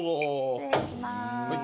失礼します。